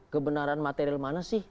kebenaran material mana sih